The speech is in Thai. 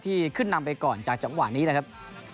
ที่ขึ้นนำไปก่อนจากจังหวะนี้นะครับ